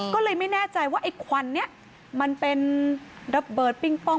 ก็เลยไม่แน่ใจว่าไอ้ควันเนี่ยมันเป็นระเบิดปิงปอง